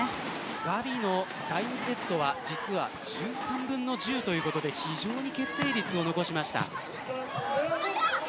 ガビの第２セットは、実は１３分の１０ということで非常に決定率を残しました。